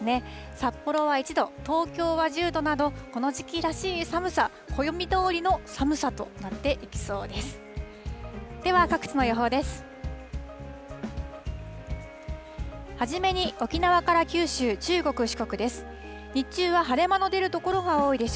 札幌は１度、東京は１０度など、この時期らしい寒さ、暦どおりの寒さとなっていきそうです。